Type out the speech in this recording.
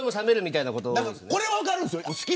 これは分かるんです。